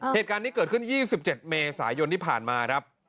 เหตุการณ์นี้เกิดขึ้น๒๗เมษายนที่ผ่านมาครับ